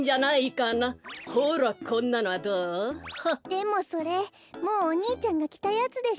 でもそれもうお兄ちゃんがきたやつでしょ？